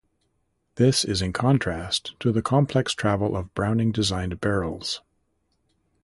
This is in contrast to the complex travel of Browning designed barrels.